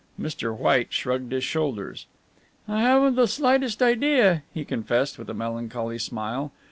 Mr. White shrugged his shoulders. "I haven't the slightest idea," he confessed with a melancholy smile.